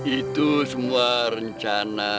itu semua rencana